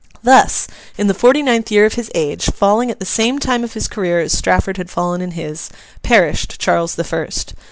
Thus, in the forty ninth year of his age, falling at the same time of his career as Strafford had fallen in his, perished Charles the First.